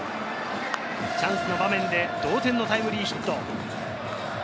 チャンスの場面で同点のタイムリーヒット。